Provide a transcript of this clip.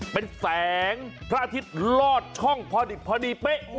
เป็นแสงพระอาทิตย์ลอดช่องพอดีเป๊ะ